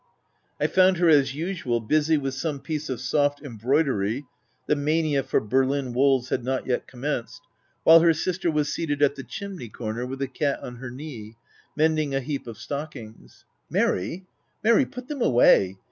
I found her, as usual, busy with some piece of soft embroidery, (the mania for Berlin wools had not yet commenced,) while her sister was seated at the chimney corner, with the cat on her knee, mending a heap of stockings. u Mary — Mary ! put them away